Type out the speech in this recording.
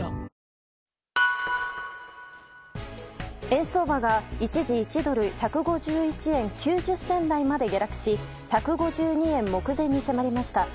円相場が一時１ドル＝１５１円９０銭台まで下落し１５２円目前に迫りました。